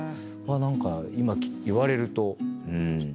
何か今言われるとうん。